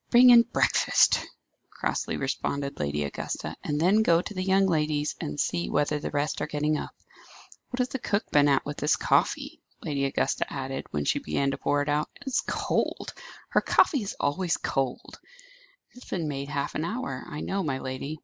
'" "Bring in breakfast," crossly responded Lady Augusta. "And then go to the young ladies, and see whether the rest are getting up. What has the cook been at with this coffee?" Lady Augusta added, when she began to pour it out. "It is cold. Her coffee is always cold." "It has been made half an hour, I know, my lady."